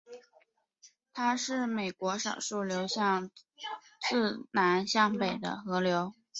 它是美国少数流向自南向北的河川。